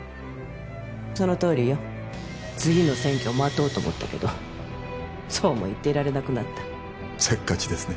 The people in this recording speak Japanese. そのとおりよ次の選挙を待とうと思ったけどそうも言っていられなくなったせっかちですね